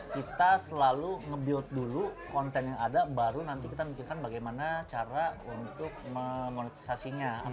kita selalu nge build dulu konten yang ada baru nanti kita mikirkan bagaimana cara untuk memonetisasinya